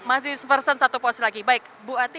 masih pesan satu porsi lagi baik bu ati